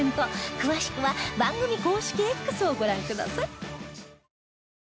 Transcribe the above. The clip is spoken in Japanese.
詳しくは番組公式 Ｘ をご覧ください